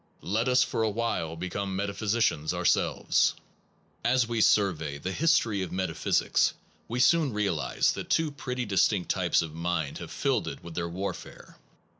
Let us for a while become metaphysicians ourselves. As we survey the history of metaphysics we soon realize that two pretty distinct types of Rational mind have filled it with their war empiri fare.